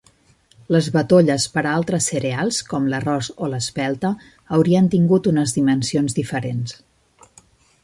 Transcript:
Les batolles per a altres cereals, com l'arròs o l'espelta, haurien tingut unes dimensions diferents.